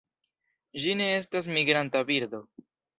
Ĝi ne estas migranta birdo.